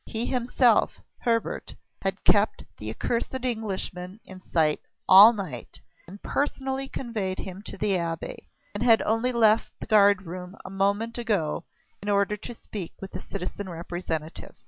He himself (Hebert) had kept the accursed Englishman in sight all night, had personally conveyed him to the Abbaye, and had only left the guard room a moment ago in order to speak with the citizen Representative.